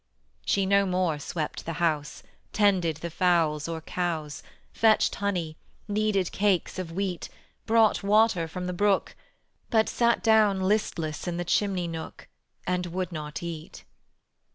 She no more swept the house, Tended the fowls or cows, Fetched honey, kneaded cakes of wheat, Brought water from the brook: But sat down listless in the chimney nook And would not eat.